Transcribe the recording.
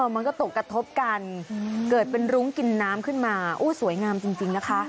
มันก็ตกกระทบกันเกิดเป็นรุ้งกินน้ำขึ้นมาสวยงามจริงนะคะ